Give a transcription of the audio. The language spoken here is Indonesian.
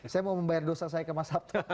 saya mau membayar dosa saya ke mas hapto